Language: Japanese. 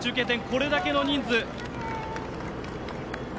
これだけの人数。